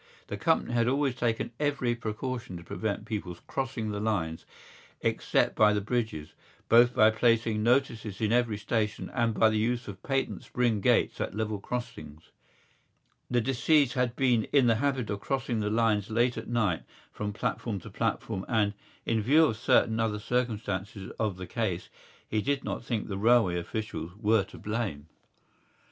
The company had always taken every precaution to prevent people crossing the lines except by the bridges, both by placing notices in every station and by the use of patent spring gates at level crossings. The deceased had been in the habit of crossing the lines late at night from platform to platform and, in view of certain other circumstances of the case, he did not think the railway officials were to blame.